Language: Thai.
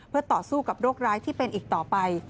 เพื่อต่อสู้กับโรคร้ายที่เป็นอีกต่อไป